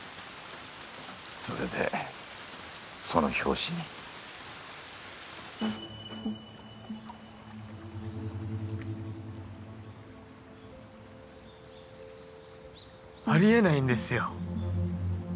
それでその拍子にあり得ないんですよ。